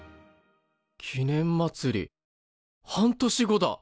記念まつり半年後だ！